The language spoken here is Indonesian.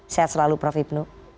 sehat selalu prof hipnu